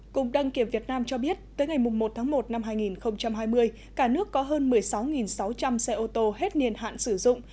cục đăng kiểm việt nam cho biết tới ngày một tháng một năm hai nghìn hai mươi cả nước có hơn một mươi sáu sáu trăm linh xe ô tô hết niên hạn sử dụng